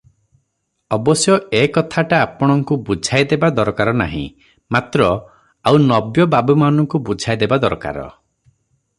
ଅବଶ୍ୟ ଏ କଥାଟା ଆପଣଙ୍କୁ ବୁଝାଇଦେବା ଦରକାର ନାହିଁ; ମାତ୍ର ଆଉ ନବ୍ୟ ବାବୁମାନଙ୍କୁ ବୁଝାଇଦେବା ଦରକାର ।